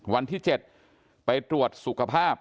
วันที่๗ไปตรวจสุขภาพ